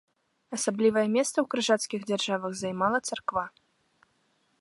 Асаблівае месца ў крыжацкіх дзяржавах займала царква.